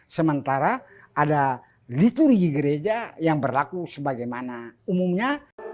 sementara ada liturgi gereja yang berlaku sebagaimana umumnya